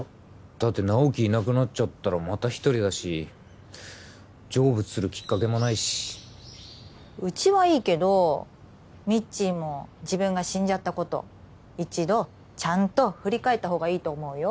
だって直木いなくなっちゃったらまた一人だし成仏するきっかけもないしうちはいいけどミッチーも自分が死んじゃったこと一度ちゃんと振り返ったほうがいいと思うよ